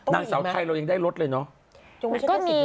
นางสาวไทยเรายังได้รถเลยเนอะ